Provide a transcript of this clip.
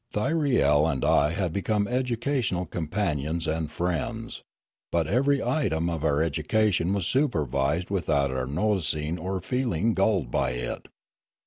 Thyriel and I had become educational companions and friends; but every item of our education was supervised without our noticing or feeling galled by it.